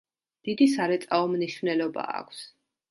დიდი სარეწაო მნიშვნელობა აქვს.